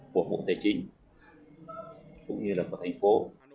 bộ hộ tài chính cũng như là bộ thành phố